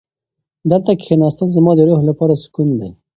دلته کښېناستل زما د روح لپاره سکون دی.